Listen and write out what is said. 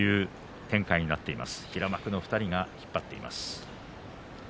平幕の２人が引っ張っています。